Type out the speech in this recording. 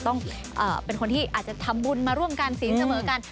ต้องเป็นคนที่อาจจะทำบุญมาร่วมกันศีลเสมอกัน